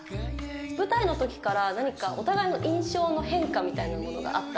舞台のときから何かお互いの印象の変化みたいなものがあったら。